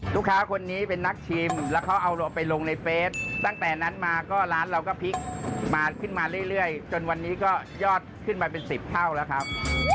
ตั้งแต่นั้นมาก็ร้านเราก็พลิกมาขึ้นมาเรื่อยจนวันนี้ก็ยอดขึ้นมาเป็นสิบเท่าแล้วครับ